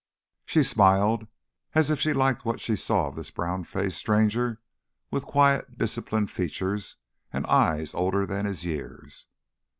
She smiled as if she liked what she saw of this brown faced stranger with quiet, disciplined features and eyes older than his years.